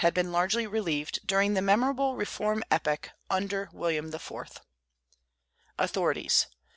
had been largely relieved during the memorable reform epoch under William IV. AUTHORITIES.